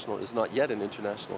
nền kết quả của nền kết quả